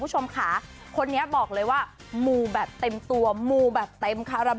คุณผู้ชมค่ะคนนี้บอกเลยว่ามูแบบเต็มตัวมูแบบเต็มคาราเบ